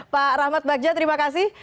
pak rahmat bagja terima kasih